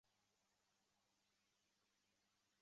名称的意思是将香料。